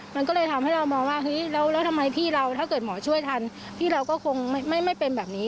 มันก็เลยทำให้เรามองว่าเฮ้ยแล้วทำไมพี่เราถ้าเกิดหมอช่วยทันพี่เราก็คงไม่เป็นแบบนี้